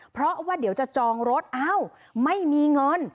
เพราะว่าเดี๋ยวจะจองรถอ้าวไม่มีเงิน